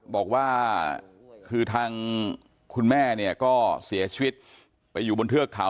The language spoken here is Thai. บอกว่าคือทางคุณแม่เนี่ยก็เสียชีวิตไปอยู่บนเทือกเขา